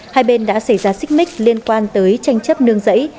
hai bên đã xảy ra xích mích liên quan tới tranh chấp nương rẫy